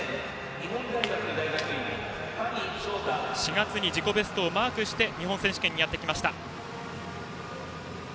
可児将大は４月に自己ベストをマークして日本選手権にやってきました。